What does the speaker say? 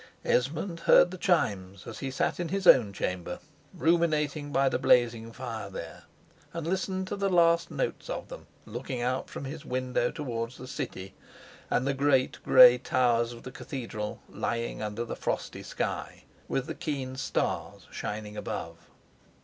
Esmond heard the chimes as he sat in his own chamber, ruminating by the blazing fire there, and listened to the last notes of them, looking out from his window towards the city, and the great gray towers of the Cathedral lying under the frosty sky, with the keen stars shining above.